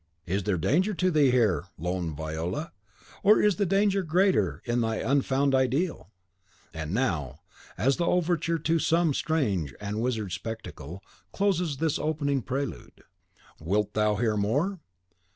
Is there danger to thee here, lone Viola, or is the danger greater in thy unfound ideal? And now, as the overture to some strange and wizard spectacle, closes this opening prelude. Wilt thou hear more?